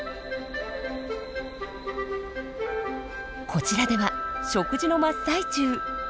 こちらでは食事の真っ最中。